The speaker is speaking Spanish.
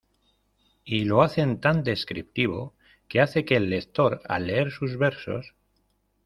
Y lo hace tan descriptivo, que hace que el lector, al leer sus versos.